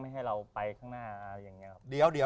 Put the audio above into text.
ไม่ให้เราบ้าอยู่ข้างหน้า